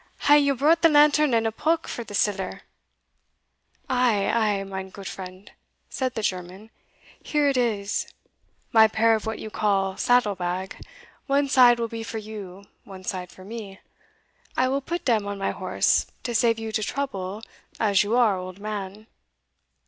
Hae ye brought the lantern and a pock for the siller?" "Ay ay, mine goot friend," said the German, "here it is my pair of what you call saddlebag; one side will be for you, one side for me; I will put dem on my horse to save you de trouble, as you are old man."